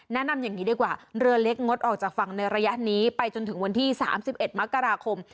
แนะนำอย่างนี้ดีกว่าเรือเล็กงดออกจากฝั่งในระยะนี้ไปจนถึงวันที่๓๑มกราคม